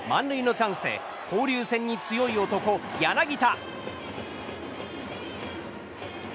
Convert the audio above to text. チャンスで交流戦に強い男、柳田。